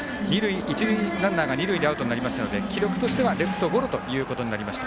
一塁ランナーが二塁でアウトになりましたので記録としてはレフトゴロということになりました。